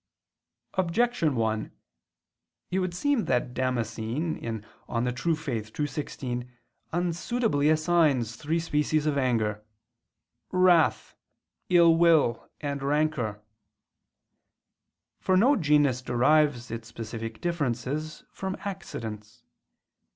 Objection 1: It would seem that Damascene (De Fide Orth. ii, 16) unsuitably assigns three species of anger "wrath," "ill will" and "rancor." For no genus derives its specific differences from accidents.